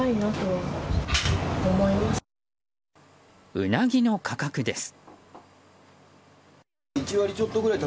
ウナギの価格です。